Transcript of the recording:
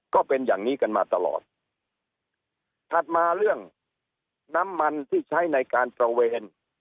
ก็เป็นอย่างนี้กันมาตลอดถัดมาเรื่องน้ำมันที่ใช้ในการตระเวน